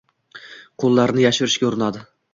Qo‘llarini yashirishga urinadi.